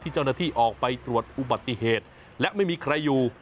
เจ้าหน้าที่ออกไปตรวจอุบัติเหตุและไม่มีใครอยู่